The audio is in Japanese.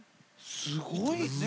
すごいね。